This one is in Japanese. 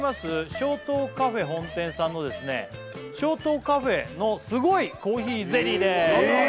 松涛カフェ本店さんのですね松涛カフェのすごいコーヒーゼリーですえっ